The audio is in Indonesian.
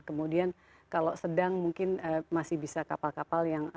kemudian kalau sedang mungkin masih bisa kapal kapal yang